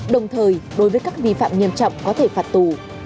đồng thời đối với các vi phạm nghiêm trọng có thể phạt tù